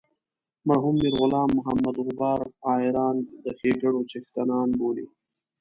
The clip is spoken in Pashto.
مرحوم میر غلام محمد غبار عیاران د ښیګڼو څښتنان بولي.